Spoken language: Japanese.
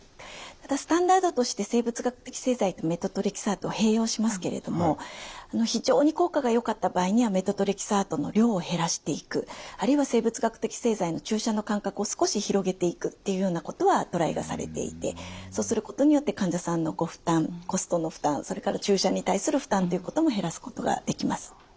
ただスタンダードとして生物学的製剤とメトトレキサートは併用しますけれども非常に効果がよかった場合にはメトトレキサートの量を減らしていくあるいは生物学的製剤の注射の間隔を少し広げていくっていうようなことはトライがされていてそうすることによって患者さんのご負担コストの負担それから注射に対する負担ということも減らすことができます。